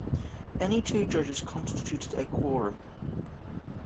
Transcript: Any two judges constituted a quorum.